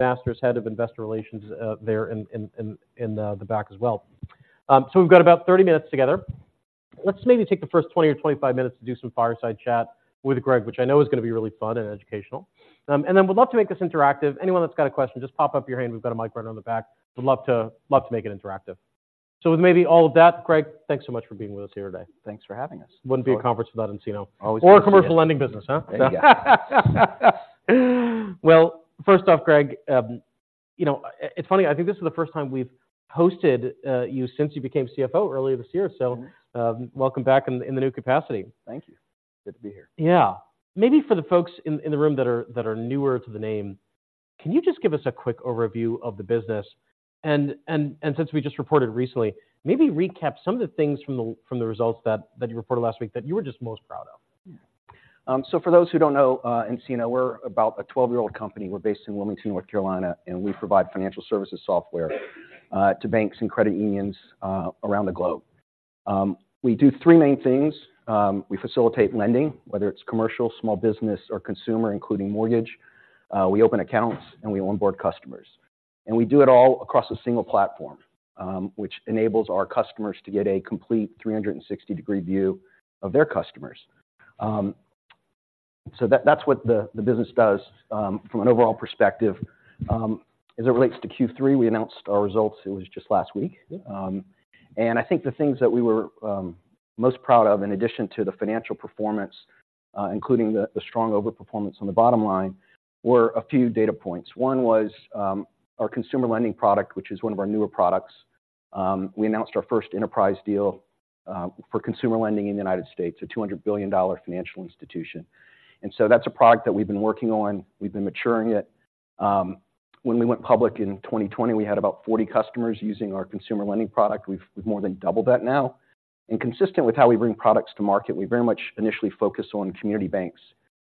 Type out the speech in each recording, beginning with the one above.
Masters, Head of Investor Relations, there in the back as well. So we've got about 30 minutes together. Let's maybe take the first 20 or 25 minutes to do some fireside chat with Greg, which I know is gonna be really fun and educational. And then we'd love to make this interactive. Anyone that's got a question, just put up your hand, we've got a mic runner in the back. Would love to, love to make it interactive. So with maybe all of that, Greg, thanks so much for being with us here today. Thanks for having us. Wouldn't be a conference without nCino. Always. Or a commercial lending business, huh? There you go. Well, first off, Greg, you know, it's funny, I think this is the first time we've hosted you since you became CFO earlier this year. Mm-hmm. Welcome back in the new capacity. Thank you. Good to be here. Yeah. Maybe for the folks in the room that are newer to the name, can you just give us a quick overview of the business? And since we just reported recently, maybe recap some of the things from the results that you reported last week that you were just most proud of. Yeah. So for those who don't know, nCino, we're about a 12-year-old company. We're based in Wilmington, North Carolina, and we provide financial services software to banks and credit unions around the globe. We do three main things: We facilitate lending, whether it's commercial, small business, or consumer, including mortgage; we open accounts; and we onboard customers. And we do it all across a single platform, which enables our customers to get a complete 360-degree view of their customers. So that's what the business does from an overall perspective. As it relates to Q3, we announced our results; it was just last week. And I think the things that we were most proud of, in addition to the financial performance, including the strong overperformance on the bottom line, were a few data points. One was our consumer lending product, which is one of our newer products. We announced our first enterprise deal for consumer lending in the United States, a $200 billion financial institution. And so that's a product that we've been working on. We've been maturing it. When we went public in 2020, we had about 40 customers using our consumer lending product. We've more than doubled that now. And consistent with how we bring products to market, we very much initially focused on community banks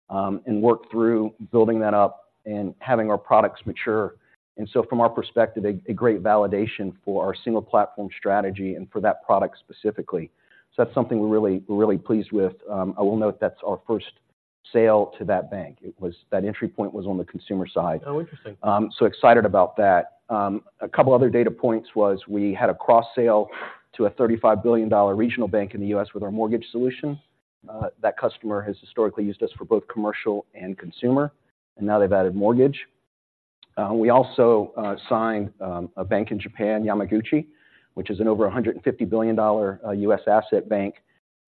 and worked through building that up and having our products mature. And so from our perspective, a great validation for our single platform strategy and for that product specifically. So that's something we're really, we're really pleased with. I will note that's our first sale to that bank. It was... That entry point was on the consumer side. Oh, interesting. So excited about that. A couple other data points was, we had a cross sale to a $35 billion regional bank in the U.S. with our mortgage solution. That customer has historically used us for both commercial and consumer, and now they've added mortgage. We also signed a bank in Japan, Yamaguchi Bank, which is an ver $150 billion U.S. asset bank.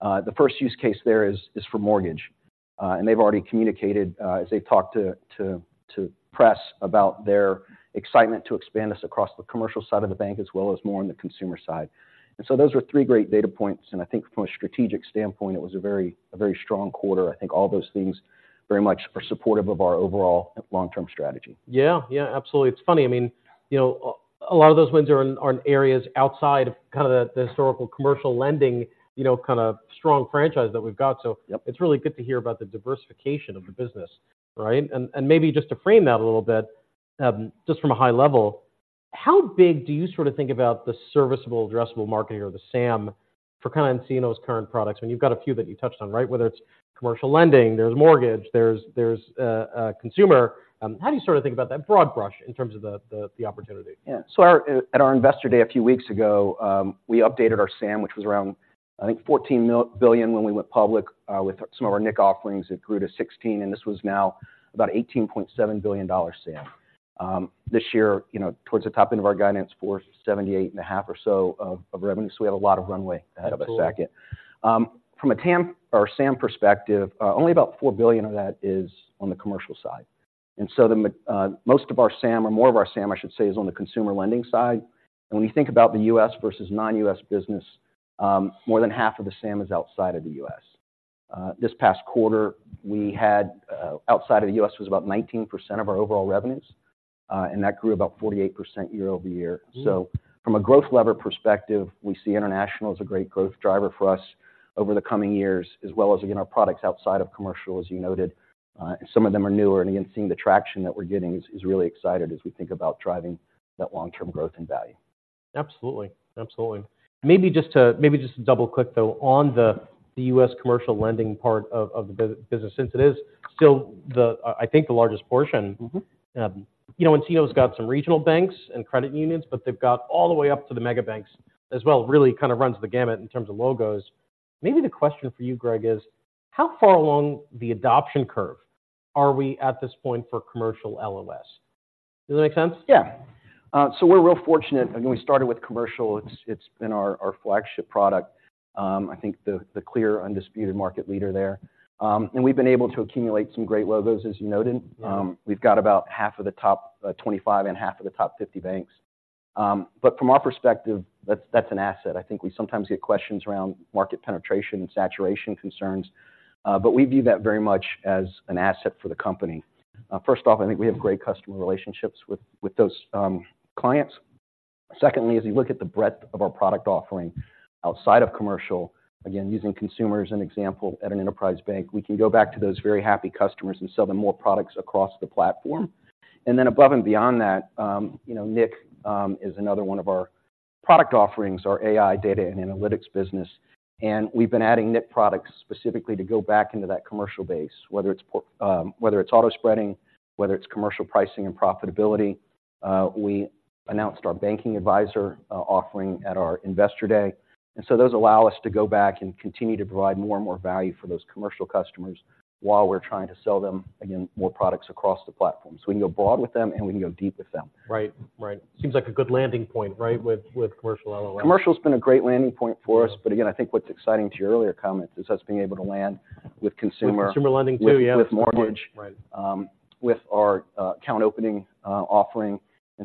The first use case there is for mortgage. And they've already communicated, as they've talked to the press about their excitement to expand this across the commercial side of the bank, as well as more on the consumer side. And so those are three great data points, and I think from a strategic standpoint, it was a very strong quarter. I think all those things very much are supportive of our overall long-term strategy. Yeah. Yeah, absolutely. It's funny, I mean, you know, a lot of those wins are in areas outside of kind of the historical commercial lending, you know, kind of strong franchise that we've got, so. Yep.... it's really good to hear about the diversification of the business, right? And maybe just to frame that a little bit, just from a high level, how big do you sort of think about the serviceable addressable market or the SAM, for kind of nCino's current products? And you've got a few that you touched on, right? Whether it's commercial lending, there's mortgage, there's consumer. How do you sort of think about that broad brush in terms of the opportunity? Yeah. So, at our investor day a few weeks ago, we updated our SAM, which was around, I think, 14 billion when we went public. With some of our nCino offerings, it grew to 16, and this was now about $18.7 billion SAM. This year, you know, towards the top end of our guidance for $78.5 or so of revenue, so we have a lot of runway. Cool.... ahead of us back in. From a TAM or SAM perspective, only about $4 billion of that is on the commercial side. And so the most of our SAM, or more of our SAM, I should say, is on the consumer lending side. When we think about the U.S. versus non-U.S. business, more than half of the SAM is outside of the U.S. This past quarter, we had, outside of the U.S., was about 19% of our overall revenues, and that grew about 48% year-over-year. Mm. From a growth lever perspective, we see international as a great growth driver for us over the coming years, as well as, again, our products outside of commercial, as you noted. Some of them are newer, and again, seeing the traction that we're getting is really exciting as we think about driving that long-term growth and value. Absolutely. Absolutely. Maybe just to double-click, though, on the U.S. commercial lending part of the business, since it is still, I think, the largest portion. Mm-hmm. You know, nCino's got some regional banks and credit unions, but they've got all the way up to the mega banks as well. It really kind of runs the gamut in terms of logos. Maybe the question for you, Greg, is: How far along the adoption curve are we at this point for commercial LOS? Does that make sense? Yeah. So we're real fortunate. Again, we started with commercial, it's been our flagship product. I think the clear, undisputed market leader there. And we've been able to accumulate some great logos, as you noted. Yeah. We've got about half of the top 25 and half of the top 50 banks. But from our perspective, that's an asset. I think we sometimes get questions around market penetration and saturation concerns, but we view that very much as an asset for the company. First off, I think we have great customer relationships with those clients. Secondly, as you look at the breadth of our product offering outside of commercial, again, using consumer as an example, at an enterprise bank, we can go back to those very happy customers and sell them more products across the platform. And then above and beyond that, you know, nIQ is another one of our product offerings, our AI data and analytics business, and we've been adding nIQ products specifically to go back into that commercial base, whether it's portfolio, whether it's Auto Spreading, whether it's Commercial Pricing and Profitability. We announced our Banking Advisor offering at our investor day. And so those allow us to go back and continue to provide more and more value for those commercial customers while we're trying to sell them, again, more products across the platform. We can go broad with them, and we can go deep with them. Right. Right. Seems like a good landing point, right, with commercial LOS. Commercial's been a great landing point for us, but again, I think what's exciting to your earlier comment is us being able to land with consumer. With consumer lending, too, yeah. With mortgage. Right. With our account opening offering.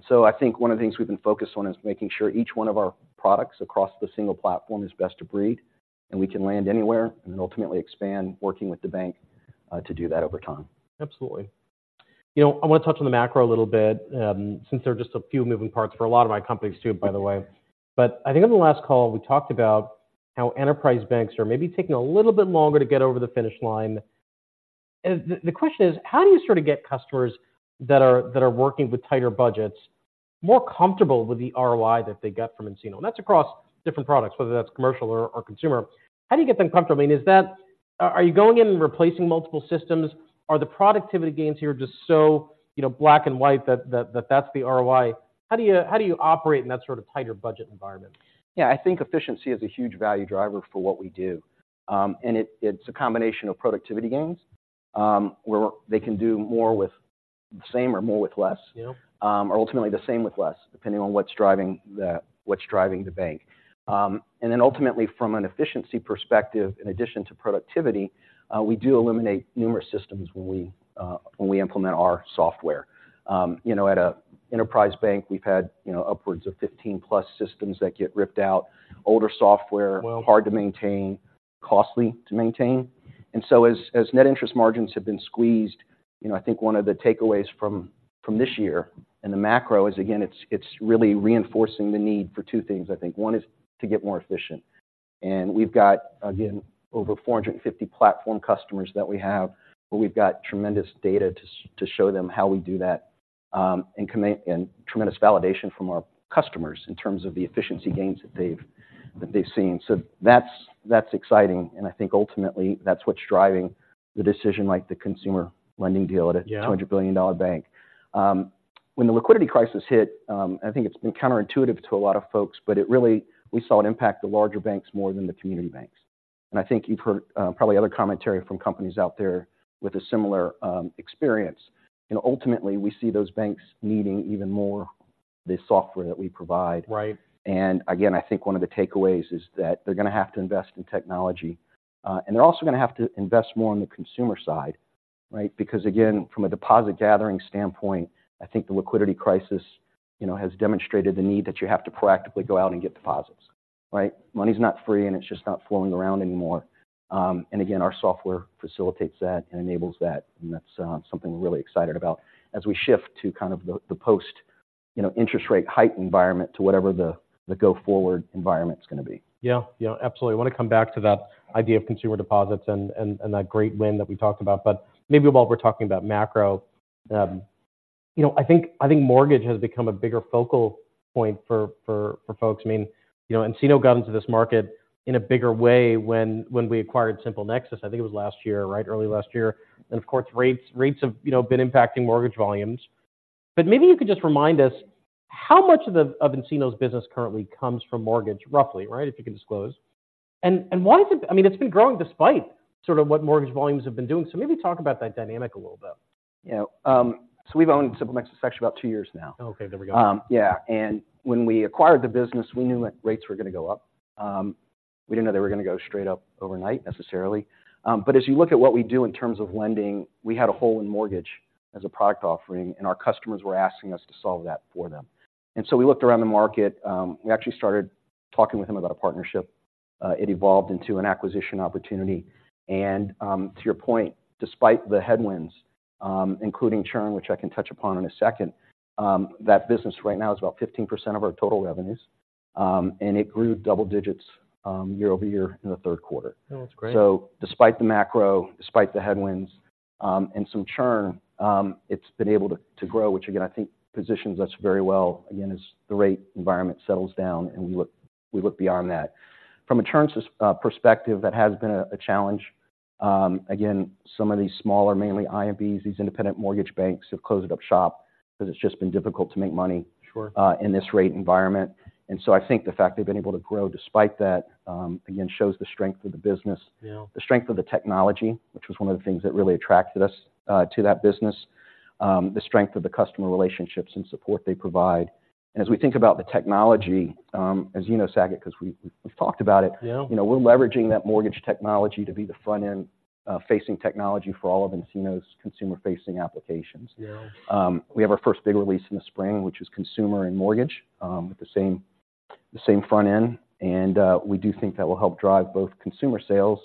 So I think one of the things we've been focused on is making sure each one of our products across the single platform is best of breed, and we can land anywhere and ultimately expand, working with the bank to do that over time. Absolutely. You know, I wanna touch on the macro a little bit, since there are just a few moving parts for a lot of my companies, too, by the way. But I think on the last call, we talked about how enterprise banks are maybe taking a little bit longer to get over the finish line. And the question is: how do you sort of get customers that are working with tighter budgets more comfortable with the ROI that they get from nCino? And that's across different products, whether that's commercial or consumer. How do you get them comfortable? I mean, is that... Are you going in and replacing multiple systems? Are the productivity gains here just so, you know, black and white that that's the ROI? How do you operate in that sort of tighter budget environment? Yeah, I think efficiency is a huge value driver for what we do. It's a combination of productivity gains, where they can do more with the same or more with less Yeah Or ultimately the same with less, depending on what's driving the bank. Then ultimately, from an efficiency perspective, in addition to productivity, we do eliminate numerous systems when we implement our software. You know, at an enterprise bank, we've had, you know, upwards of 15 plus systems that get ripped out, older software. Wow. Hard to maintain, costly to maintain. And so as net interest margins have been squeezed, you know, I think one of the takeaways from this year and the macro is, again, it's really reinforcing the need for two things, I think. One is to get more efficient. We've got, again, over 450 platform customers that we have, but we've got tremendous data to show them how we do that, and tremendous validation from our customers in terms of the efficiency gains that they've seen. So that's exciting, and I think ultimately, that's what's driving the decision, like the consumer lending deal at a, Yeah... $200 billion bank. When the liquidity crisis hit, I think it's been counterintuitive to a lot of folks, but it really, we saw it impact the larger banks more than the community banks. And I think you've heard, probably other commentary from companies out there with a similar, experience. You know, ultimately, we see those banks needing even more the software that we provide. Right. And again, I think one of the takeaways is that they're gonna have to invest in technology, and they're also gonna have to invest more on the consumer side, right? Because, again, from a deposit gathering standpoint, I think the liquidity crisis, you know, has demonstrated the need that you have to proactively go out and get deposits, right? Money's not free, and it's just not flowing around anymore. And again, our software facilitates that and enables that, and that's something we're really excited about as we shift to kind of the post, you know, interest rate height environment to whatever the go-forward environment's gonna be. Yeah. Yeah, absolutely. I wanna come back to that idea of consumer deposits and that great win that we talked about. But maybe while we're talking about macro, you know, I think mortgage has become a bigger focal point for folks. I mean, you know, nCino got into this market in a bigger way when we acquired SimpleNexus. I think it was last year, right? Early last year. And of course, rates have, you know, been impacting mortgage volumes. But maybe you could just remind us, how much of the, of nCino's business currently comes from mortgage, roughly, right, if you can disclose? And why is it... I mean, it's been growing despite sort of what mortgage volumes have been doing. So maybe talk about that dynamic a little bit. Yeah, so we've owned SimpleNexus actually about two years now. Okay, there we go. Yeah, and when we acquired the business, we knew that rates were gonna go up. We didn't know they were gonna go straight up overnight, necessarily. But as you look at what we do in terms of lending, we had a hole in mortgage as a product offering, and our customers were asking us to solve that for them. And so we looked around the market. We actually started talking with them about a partnership. It evolved into an acquisition opportunity. And, to your point, despite the headwinds, including churn, which I can touch upon in a second, that business right now is about 15% of our total revenues, and it grew double digits, year-over-year in the third quarter. Oh, that's great. So despite the macro, despite the headwinds, and some churn, it's been able to, to grow, which again, I think positions us very well, again, as the rate environment settles down, and we look, we look beyond that. From a churn perspective, that has been a, a challenge. Again, some of these smaller, mainly IMBs, these independent mortgage banks, have closed up shop because it's just been difficult to make money. Sure... in this rate environment. And so I think the fact they've been able to grow despite that, again, shows the strength of the business- Yeah... the strength of the technology, which was one of the things that really attracted us to that business, the strength of the customer relationships and support they provide. And as we think about the technology, as you know, Saket, 'cause we, we've talked about it- Yeah... you know, we're leveraging that mortgage technology to be the front-end, facing technology for all of nCino's consumer-facing applications. Yeah. We have our first big release in the spring, which is consumer and mortgage, with the same front end, and we do think that will help drive both consumer sales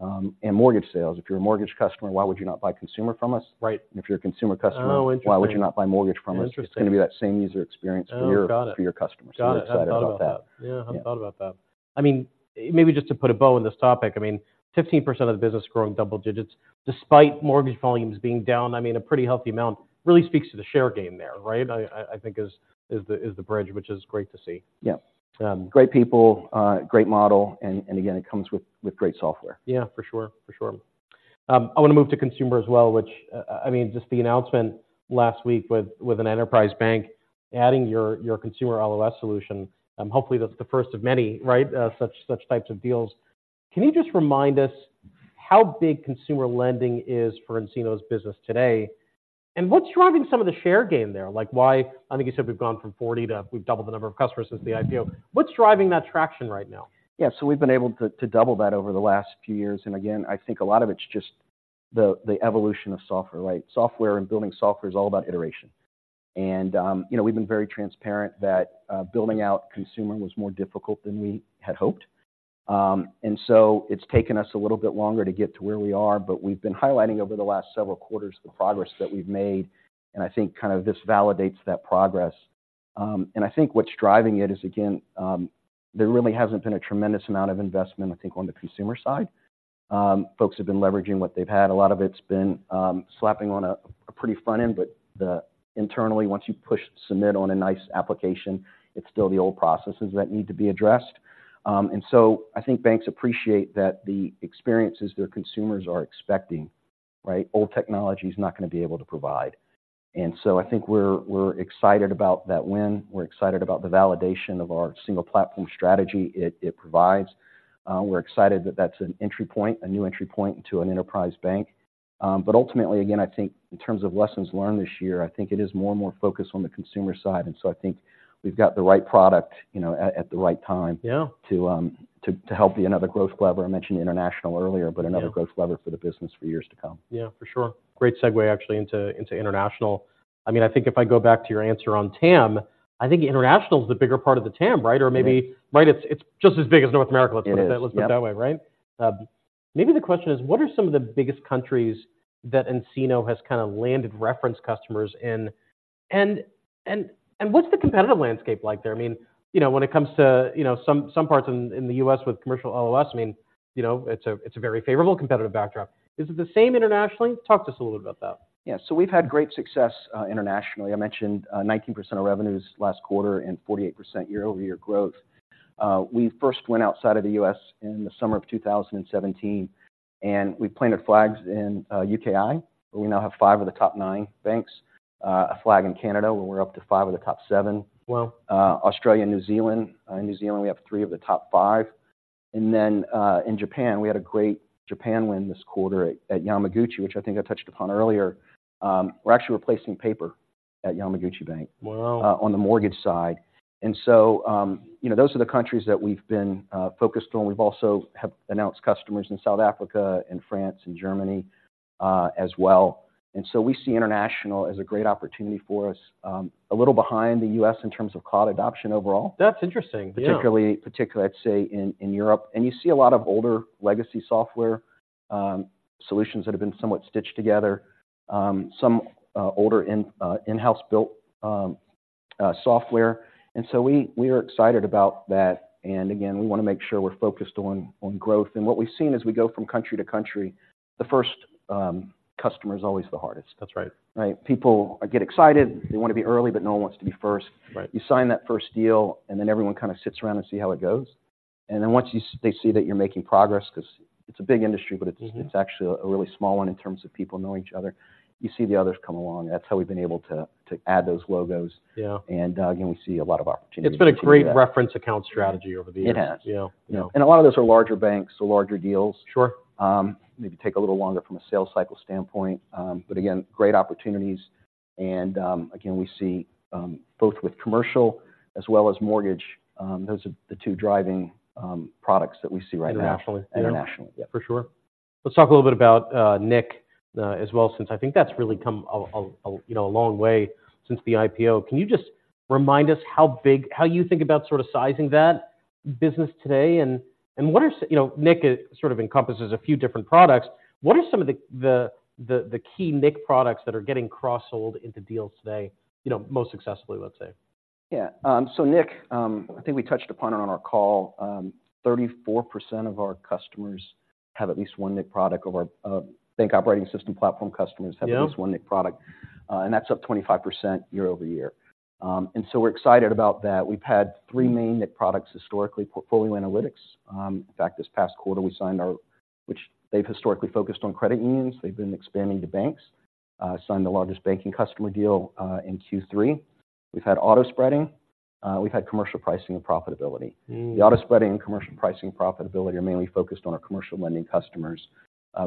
and mortgage sales. If you're a mortgage customer, why would you not buy consumer from us? Right. If you're a consumer customer, Oh, interesting... why would you not buy mortgage from us? Interesting. It's gonna be that same user experience, Oh, got it.... for your customers. Got it. We're excited about that. Yeah, I hadn't thought about that. Yeah. I mean, maybe just to put a bow in this topic, I mean, 15% of the business growing double digits despite mortgage volumes being down, I mean, a pretty healthy amount, really speaks to the share gain there, right? I think is the bridge, which is great to see. Yeah. Um. Great people, great model, and again, it comes with great software. Yeah, for sure. For sure.... I want to move to consumer as well, which, I mean, just the announcement last week with, with an enterprise bank adding your, your consumer LOS solution. Hopefully, that's the first of many, right, such types of deals. Can you just remind us how big consumer lending is for nCino's business today? And what's driving some of the share gain there? Like, why—I think you said we've gone from 40 to we've doubled the number of customers since the IPO. What's driving that traction right now? Yeah. So we've been able to to double that over the last few years, and again, I think a lot of it's just the the evolution of software, right? Software and building software is all about iteration. And you know, we've been very transparent that building out consumer was more difficult than we had hoped. And so it's taken us a little bit longer to get to where we are, but we've been highlighting over the last several quarters the progress that we've made, and I think kind of this validates that progress. And I think what's driving it is, again, there really hasn't been a tremendous amount of investment, I think, on the consumer side. Folks have been leveraging what they've had. A lot of it's been slapping on a pretty front end, but internally, once you push submit on a nCino application, it's still the old processes that need to be addressed. And so I think banks appreciate that the experiences their consumers are expecting, right, old technology is not going to be able to provide. And so I think we're excited about that win. We're excited about the validation of our single platform strategy it provides. We're excited that that's an entry point, a new entry point to an enterprise bank. But ultimately, again, I think in terms of lessons learned this year, I think it is more and more focused on the consumer side, and so I think we've got the right product, you know, at the right time, Yeah.... to help be another growth lever. I mentioned international earlier, Yeah. but another growth lever for the business for years to come. Yeah, for sure. Great segue, actually, into international. I mean, I think if I go back to your answer on TAM, I think international is the bigger part of the TAM, right? Right. Or maybe, right, it's just as big as North America- It is. Let's put it that way, right? Maybe the question is, what are some of the biggest countries that nCino has kind of landed reference customers in? And what's the competitive landscape like there? I mean, you know, when it comes to, you know, some parts in the U.S. with commercial LOS, I mean, you know, it's a very favorable competitive backdrop. Is it the same internationally? Talk to us a little about that. Yeah. So we've had great success internationally. I mentioned 19% of revenues last quarter and 48% year-over-year growth. We first went outside of the U.S. in the summer of 2017, and we planted flags in UKI. We now have five of the top nine banks, a flag in Canada, where we're up to five of the top seven. Wow! Australia and New Zealand. In New Zealand, we have three of the top five. And then, in Japan, we had a great Japan win this quarter at Yamaguchi, which I think I touched upon earlier. We're actually replacing paper at Yamaguchi Bank. Wow. On the mortgage side. And so, you know, those are the countries that we've been focused on. We've also have announced customers in South Africa, and France, and Germany, as well. And so we see international as a great opportunity for us, a little behind the U.S. in terms of cloud adoption overall. That's interesting, yeah. Particularly, I'd say, in Europe. And you see a lot of older legacy software solutions that have been somewhat stitched together, some older in-house built software. And so we are excited about that, and again, we want to make sure we're focused on growth. And what we've seen as we go from country to country, the first customer is always the hardest. That's right. Right. People get excited. They want to be early, but no one wants to be first. Right. You sign that first deal, and then everyone kind of sits around and see how it goes. And then once they see that you're making progress, because it's a big industry, but it's, Mm-hmm.... it's actually a really small one in terms of people knowing each other. You see the others come along. That's how we've been able to add those logos. Yeah. Again, we see a lot of opportunities. It's been a great reference account strategy over the years. It has. Yeah. You know, and a lot of those are larger banks, so larger deals. Sure. Maybe take a little longer from a sales cycle standpoint, but again, great opportunities, and again, we see both with commercial as well as mortgage, those are the two driving products that we see right now. Internationally? Internationally, yeah. For sure. Let's talk a little bit about nIQ as well, since I think that's really come a long way since the IPO. Can you just remind us how big- how you think about sort of sizing that business today? And what are... You know, nIQ it sort of encompasses a few different products. What are some of the key nIQ products that are getting cross-sold into deals today, you know, most successfully, let's say? Yeah. So nIQ, I think we touched upon it on our call. 34% of our customers have at least one nIQ product, or our bank operating system platform customers, Yeah.... have at least one nIQ product, and that's up 25% year-over-year. And so we're excited about that. We've had three main nIQ products, historically, Portfolio Analytics. In fact, this past quarter, we signed our... Which they've historically focused on credit unions, they've been expanding to banks. Signed the largest banking customer deal, in Q3. We've had Auto Spreading, we've had Commercial Pricing and Profitability. Mm. The Auto Spreading and Commercial Pricing and Profitability are mainly focused on our commercial lending customers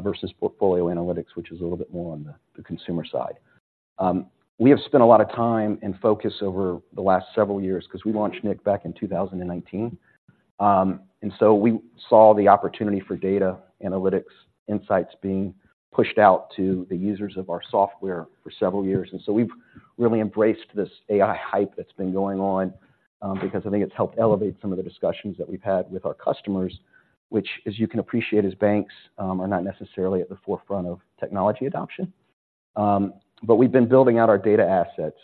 versus Portfolio Analytics, which is a little bit more on the consumer side. We have spent a lot of time and focus over the last several years, because we launched nIQ back in 2019. And so we saw the opportunity for data analytics insights being pushed out to the users of our software for several years. And so we've really embraced this AI hype that's been going on, because I think it's helped elevate some of the discussions that we've had with our customers, which, as you can appreciate, as banks are not necessarily at the forefront of technology adoption. But we've been building out our data assets.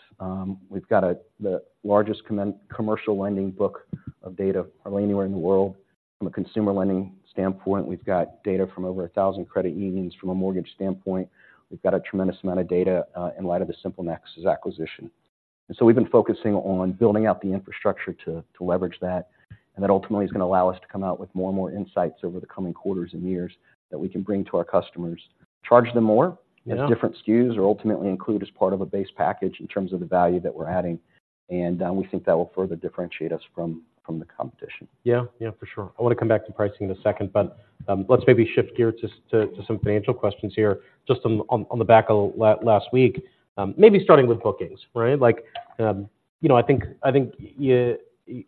We've got the largest commercial lending book of data anywhere in the world. From a consumer lending standpoint, we've got data from over 1,000 credit unions. From a mortgage standpoint, we've got a tremendous amount of data in light of the SimpleNexus's acquisition. So we've been focusing on building out the infrastructure to leverage that, and that ultimately is gonna allow us to come out with more and more insights over the coming quarters and years that we can bring to our customers. Charge them more, Yeah. As different SKUs, or ultimately include as part of a base package in terms of the value that we're adding, and we think that will further differentiate us from the competition. Yeah. Yeah, for sure. I wanna come back to pricing in a second, but, let's maybe shift gear to to some financial questions here. Just on the back of last week, maybe starting with bookings, right? Like, you know, I think, I think you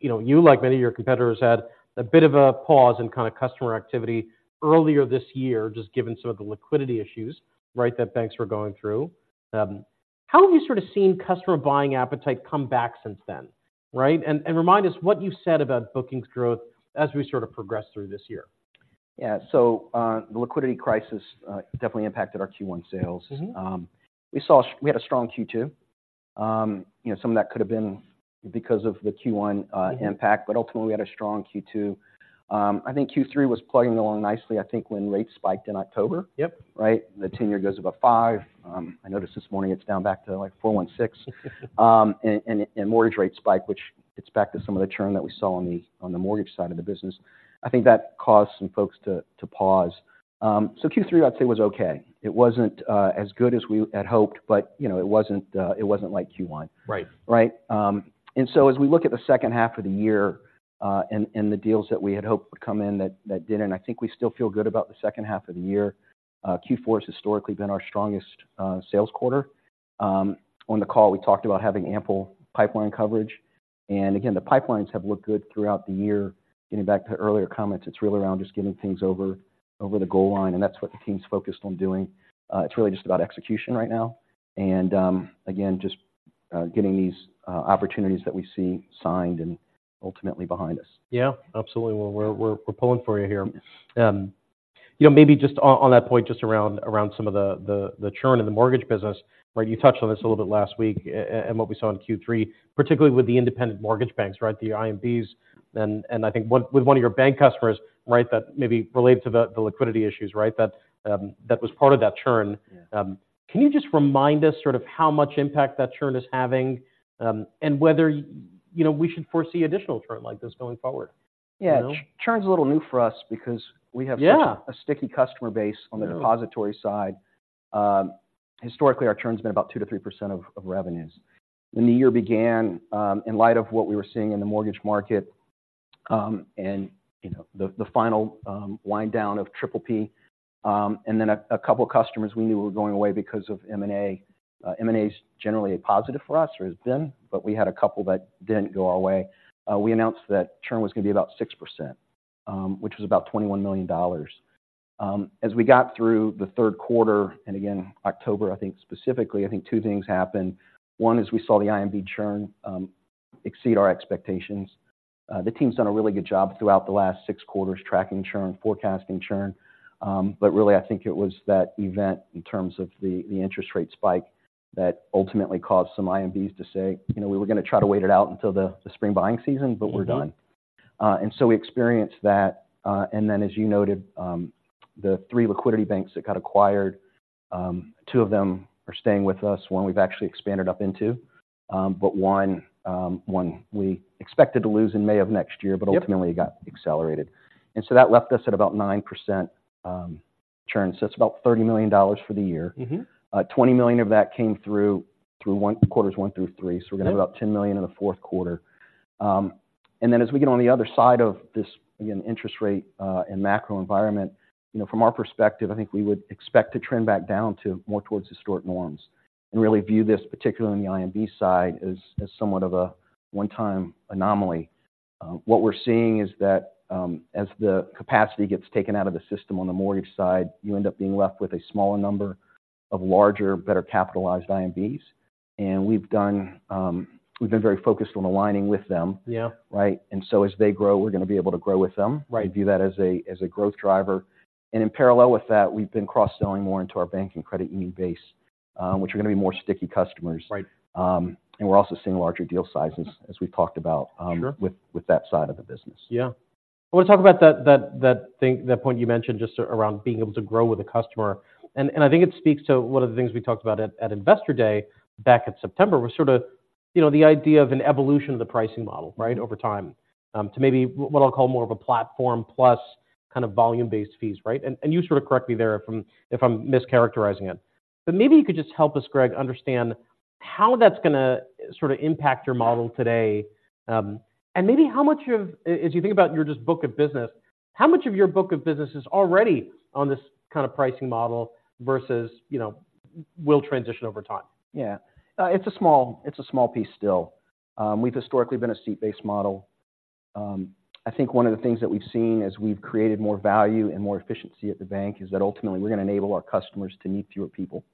know, you, like many of your competitors, had a bit of a pause in kind of customer activity earlier this year, just given some of the liquidity issues, right, that banks were going through. How have you sort of seen customer buying appetite come back since then, right? And, and remind us what you said about bookings growth as we sort of progress through this year. Yeah. So, the liquidity crisis definitely impacted our Q1 sales. Mm-hmm. We had a strong Q2. You know, some of that could have been because of the Q1. Mm-hmm.... impact, but ultimately, we had a strong Q2. I think Q3 was plugging along nicely, I think, when rates spiked in October. Yep. Right. The 10-year goes above 5. I noticed this morning it's down back to, like, 4.6. And mortgage rates spike, which gets back to some of the churn that we saw on the mortgage side of the business. I think that caused some folks to pause. So Q3, I'd say, was okay. It wasn't as good as we had hoped, but, you know, it wasn't like Q1. Right. Right? And so as we look at the second half of the year, and the deals that we had hoped would come in that didn't, I think we still feel good about the second half of the year. Q4 has historically been our strongest sales quarter. On the call, we talked about having ample pipeline coverage, and again, the pipelines have looked good throughout the year. Getting back to earlier comments, it's really around just getting things over the goal line, and that's what the team's focused on doing. It's really just about execution right now, and again, just getting these opportunities that we see signed and ultimately behind us. Yeah. Absolutely. Well, we're pulling for you here. You know, maybe just on that point, just around some of the churn in the mortgage business, right? You touched on this a little bit last week, and what we saw in Q3, particularly with the independent mortgage banks, right, the IMBs, and I think with one of your bank customers, right, that maybe related to the liquidity issues, right? That was part of that churn. Yeah. Can you just remind us sort of how much impact that churn is having, and whether, you know, we should foresee additional churn like this going forward? Yeah. You know? Churn's a little new for us because we have, Yeah.... such a sticky customer base, Yeah.... on the depository side. Historically, our churn's been about 2%-3% of revenues. When the year began, in light of what we were seeing in the mortgage market, and, you know, the final wind down of., and then a couple of customers we knew were going away because of M&A. M&A's generally a positive for us or has been, but we had a couple that didn't go our way. We announced that churn was gonna be about 6%, which was about $21 million. As we got through the third quarter and again, October, I think specifically, I think two things happened. One, is we saw the IMB churn exceed our expectations. The team's done a really good job throughout the last 6 quarters tracking churn, forecasting churn, but really, I think it was that event in terms of the interest rate spike, that ultimately caused some IMBs to say: "You know, we were gonna try to wait it out until the spring buying season, but we're done. Mm-hmm. And so we experienced that. And then, as you noted, the three liquidity banks that got acquired, two of them are staying with us, one we've actually expanded up into. But one we expected to lose in May of next year, Yep.... but ultimately got accelerated. And so that left us at about 9% churn. So it's about $30 million for the year. Mm-hmm. $20 million of that came through quarters one through three. Yeah. So we're gonna do about $10 million in the fourth quarter. And then as we get on the other side of this, again, interest rate and macro environment, you know, from our perspective, I think we would expect to trend back down to more towards historic norms, and really view this, particularly on the IMB side, as somewhat of a one-time anomaly. What we're seeing is that, as the capacity gets taken out of the system on the mortgage side, you end up being left with a smaller number of larger, better capitalized IMBs. And we've been very focused on aligning with them. Yeah. Right? As they grow, we're gonna be able to grow with them. Right. We view that as a growth driver, and in parallel with that, we've been cross-selling more into our bank and credit union base, which are gonna be more sticky customers. Right. And we're also seeing larger deal sizes as we've talked about, Sure.... with that side of the business. Yeah. I want to talk about that thing, that point you mentioned, just around being able to grow with the customer. I think it speaks to one of the things we talked about at Investor Day, back in September, was sort of, you know, the idea of an evolution of the pricing model, Mm-hmm.... right, over time, to maybe what I'll call more of a platform plus kind of volume-based fees, right? And you sort of correct me there if I'm mischaracterizing it. But maybe you could just help us, Greg, understand how that's gonna sort of impact your model today. And maybe how much of... as you think about your just book of business, how much of your book of business is already on this kind of pricing model versus, you know, will transition over time? Yeah. It's a small piece still. We've historically been a seat-based model. I think one of the things that we've seen as we've created more value and more efficiency at the bank, is that ultimately, we're gonna enable our customers to need fewer people,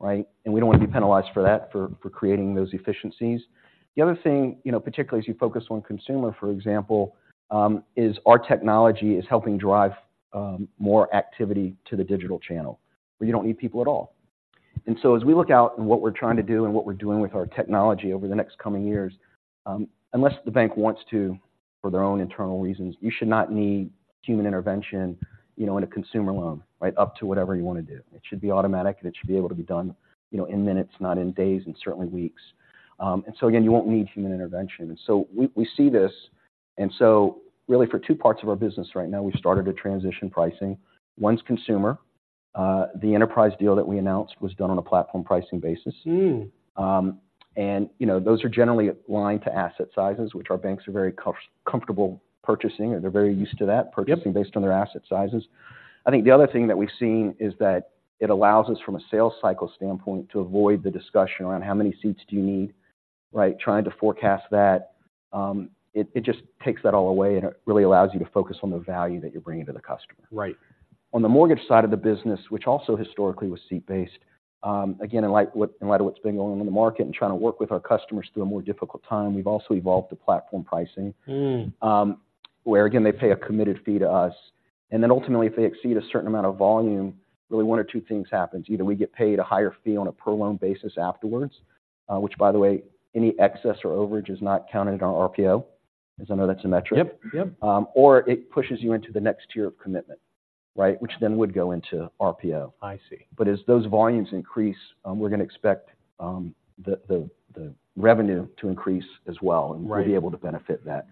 right? And we don't wanna be penalized for that, for creating those efficiencies. The other thing, you know, particularly as you focus on consumer, for example, is our technology helping drive more activity to the digital channel, where you don't need people at all. And so as we look out and what we're trying to do, and what we're doing with our technology over the next coming years, unless the bank wants to—for their own internal reasons, you should not need human intervention, you know, in a consumer loan, right? Up to whatever you want to do. It should be automatic, and it should be able to be done, you know, in minutes, not in days, and certainly weeks. And so again, you won't need human intervention. And so we see this, and so really for two parts of our business right now, we've started to transition pricing. One's consumer, the enterprise deal that we announced was done on a platform pricing basis. Hmm. you know, those are generally aligned to asset sizes, which our banks are very comfortable purchasing, or they're very used to that, Yep. Purchasing based on their asset sizes. I think the other thing that we've seen is that it allows us, from a sales cycle standpoint, to avoid the discussion around how many seats do you need, right? Trying to forecast that, it, it just takes that all away, and it really allows you to focus on the value that you're bringing to the customer. Right. On the mortgage side of the business, which also historically was seat-based, again, in light of what's been going on in the market and trying to work with our customers through a more difficult time, we've also evolved to platform pricing. Hmm. Where again, they pay a committed fee to us, and then ultimately, if they exceed a certain amount of volume, really one of two things happens: either we get paid a higher fee on a per loan basis afterwards, which by the way, any excess or overage is not counted in our RPO, as I know that's a metric. Yep, yep. Or it pushes you into the next tier of commitment, right? Which then would go into RPO. I see. But as those volumes increase, we're gonna expect the revenue to increase as well. Right... and we'll be able to benefit that.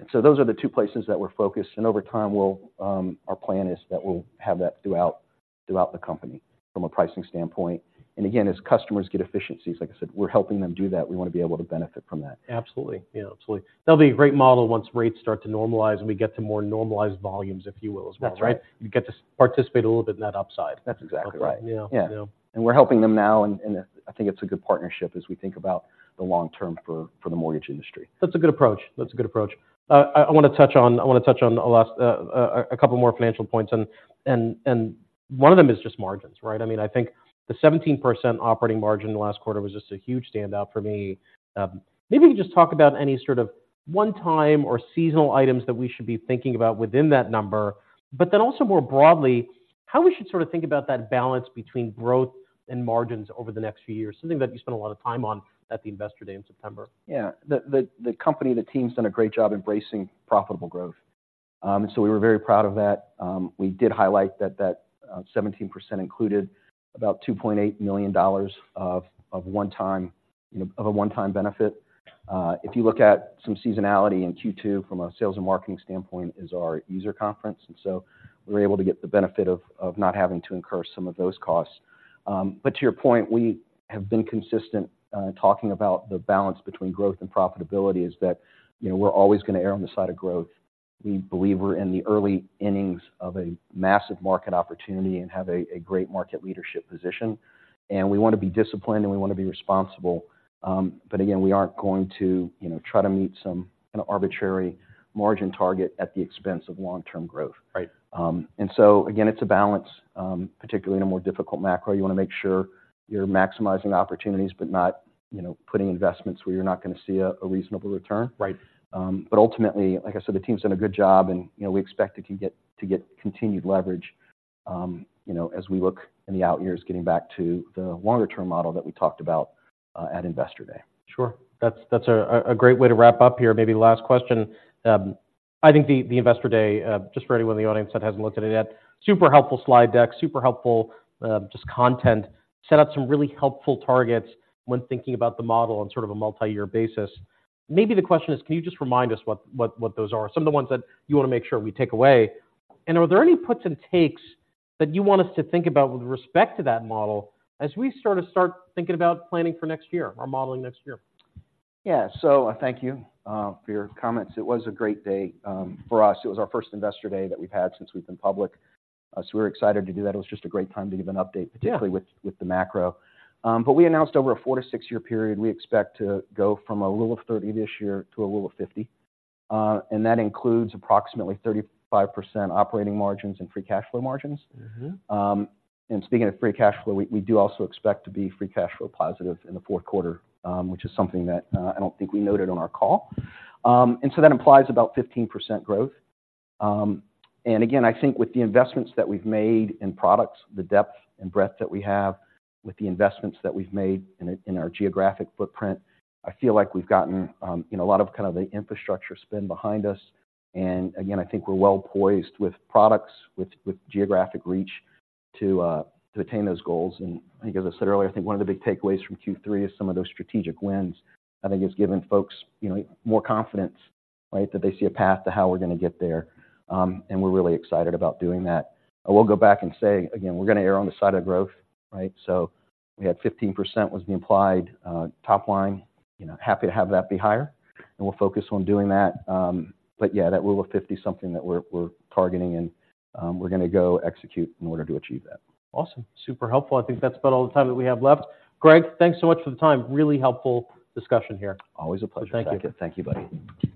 And so those are the two places that we're focused, and over time, we'll, our plan is that we'll have that throughout, throughout the company from a pricing standpoint. And again, as customers get efficiencies, like I said, we're helping them do that. We want to be able to benefit from that. Absolutely. Yeah, absolutely. That'll be a great model once rates start to normalize, and we get to more normalized volumes, if you will, as well. That's right. You get to participate a little bit in that upside. That's exactly right. Yeah. Yeah. Yeah. We're helping them now, and I think it's a good partnership as we think about the long term for the mortgage industry. That's a good approach. That's a good approach. I wanna touch on the last, a couple more financial points, and one of them is just margins, right? I mean, I think the 17% operating margin last quarter was just a huge standout for me. Maybe you can just talk about any sort of one-time or seasonal items that we should be thinking about within that number, but then also, more broadly, how we should sort of think about that balance between growth and margins over the next few years, something that you spent a lot of time on at the Investor Day in September. Yeah. The company, the team's done a great job embracing profitable growth. So we were very proud of that. We did highlight that that 17% included about $2.8 million of one-time, you know, of a one-time benefit. If you look at some seasonality in Q2 from a sales and marketing standpoint, is our user conference, and so we were able to get the benefit of not having to incur some of those costs. But to your point, we have been consistent talking about the balance between growth and profitability is that, you know, we're always gonna err on the side of growth. We believe we're in the early innings of a massive market opportunity and have a great market leadership position, and we want to be disciplined, and we want to be responsible. But again, we aren't going to, you know, try to meet some kind of arbitrary margin target at the expense of long-term growth. Right. And so again, it's a balance, particularly in a more difficult macro. You wanna make sure you're maximizing opportunities, but not, you know, putting investments where you're not gonna see a reasonable return. Right. But ultimately, like I said, the team's done a good job, and, you know, we expect to keep getting continued leverage, you know, as we look in the out years, getting back to the longer-term model that we talked about at Investor Day. Sure. That's a great way to wrap up here. Maybe last question. I think the Investor Day, just for anyone in the audience that hasn't looked at it yet, super helpful slide deck, super helpful, just content. Set out some really helpful targets when thinking about the model on sort of a multi-year basis. Maybe the question is, can you just remind us what those are? Some of the ones that you wanna make sure we take away. And are there any puts and takes that you want us to think about with respect to that model, as we sort of start thinking about planning for next year or modeling next year? Yeah. So I thank you for your comments. It was a great day for us. It was our first Investor Day that we've had since we've been public, so we're excited to do that. It was just a great time to give an update, Yeah.... particularly with, with the macro. But we announced over a four to six-year period, we expect to go from a Rule of 30 this year to a rule of 50, and that includes approximately 35% operating margins and free cash flow margins. Mm-hmm. And speaking of free cash flow, we do also expect to be free cash flow positive in the fourth quarter, which is something that I don't think we noted on our call. And so that implies about 15% growth. And again, I think with the investments that we've made in products, the depth and breadth that we have, with the investments that we've made in our geographic footprint, I feel like we've gotten, you know, a lot of kind of the infrastructure spin behind us. And again, I think we're well-poised with products, with geographic reach, to attain those goals. And I think, as I said earlier, I think one of the big takeaways from Q3 is some of those strategic wins, I think has given folks, you know, more confidence, right? That they see a path to how we're gonna get there, and we're really excited about doing that. I will go back and say, again, we're gonna err on the side of growth, right? So we had 15% was the implied, top line. You know, happy to have that be higher, and we'll focus on doing that. But yeah, that rule of 50 is something that we're, we're targeting, and, we're gonna go execute in order to achieve that. Awesome. Super helpful. I think that's about all the time that we have left. Greg, thanks so much for the time. Really helpful discussion here. Always a pleasure, Saket. Thank you. Thank you, buddy.